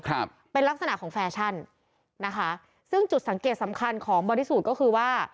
ครับเป็นลักษณะของแฟชั่นนะคะซึ่งจุดสังเกตสำคัญของบอดี้สูตรก็คือว่า